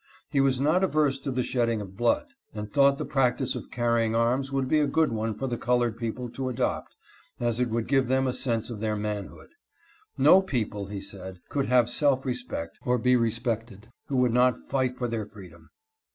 He was not averse to the shedding of blood, and thought the practice of carrying arms would be a good one for the colored people to adopt, as it would give them a sense of their manhood. No people, he said, could have self respect, or be respected, who would not fight for their freedom.